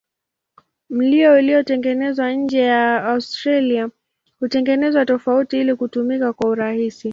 Milo iliyotengenezwa nje ya Australia hutengenezwa tofauti ili kutumika kwa urahisi.